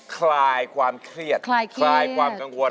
คลายความเครียดคลายความกังวล